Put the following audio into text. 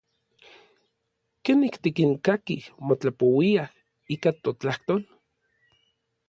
¿Kenik tikinkakij motlapouiaj ika totlajtol?